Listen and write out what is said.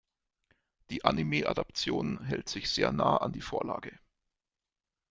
Die Anime-Adaption hält sich sehr nah an die Vorlage.